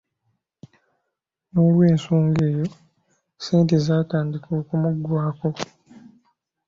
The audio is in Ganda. N'olw'ensonga eyo, ssente zaatandika okumuggwako.